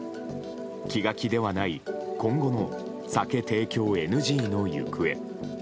気が気ではない今後の酒提供ＮＧの行方。